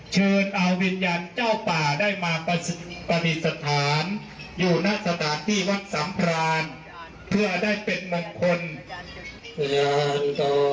ชื่นเอาวิญญาณเจ้าป่าได้มาปฏิสถาน